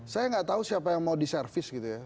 saya nggak tahu siapa yang mau diservis gitu ya